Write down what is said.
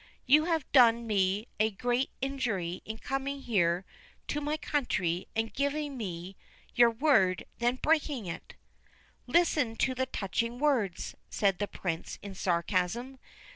You have done me a great injury in coming here to my country and giving me your word and then breaking it.' ' Listen to the touching words,' said the Prince in sarcasm.